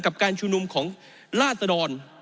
การชุมนุมของราศดร